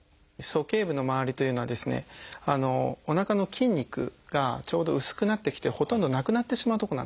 鼠径部のまわりというのはですねおなかの筋肉がちょうど薄くなってきてほとんどなくなってしまうとこなんですね。